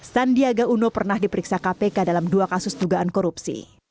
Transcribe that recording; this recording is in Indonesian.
sandiaga uno pernah diperiksa kpk dalam dua kasus dugaan korupsi